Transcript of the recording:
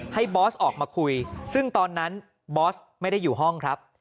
บอสออกมาคุยซึ่งตอนนั้นบอสไม่ได้อยู่ห้องครับ